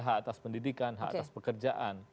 hak atas pendidikan hak atas pekerjaan